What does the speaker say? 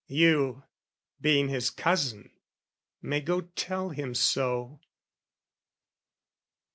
(You, being his cousin, may go tell him so.)